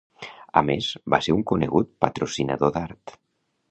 A més, va ser un conegut patrocinador d'art.